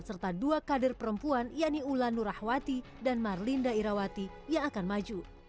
serta dua kader perempuan yani ulanurahwati dan marlinda irawati yang akan maju